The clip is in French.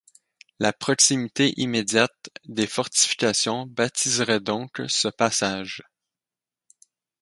La proximité immédiate des fortifications baptiserait donc ce passage.